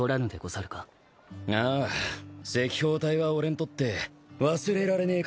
ああ赤報隊は俺にとって忘れられねえ